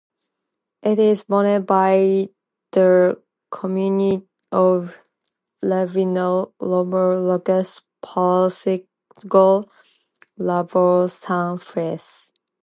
It is bounded by the comuni of Laviano, Muro Lucano, Pescopagano, Rapone, San Fele.